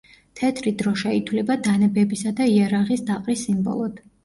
თეთრი დროშა ითვლება დანებებისა და იარაღის დაყრის სიმბოლოდ.